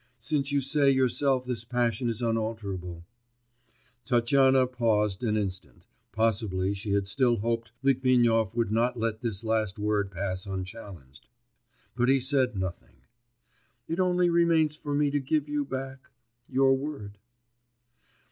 Since you say yourself this passion is unalterable' ... (Tatyana paused an instant, possibly she had still hoped Litvinov would not let this last word pass unchallenged, but he said nothing), 'it only remains for me to give you back ... your word.